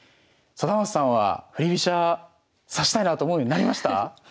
貞升さんは振り飛車指したいなと思うようになりました？